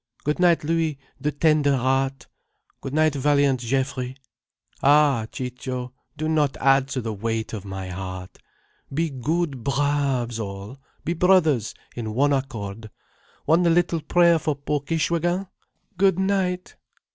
Good night, Louis, the tender heart. Good night valiant Geoffrey. Ah Ciccio, do not add to the weight of my heart. Be good braves, all, be brothers in one accord. One little prayer for poor Kishwégin. Good night!"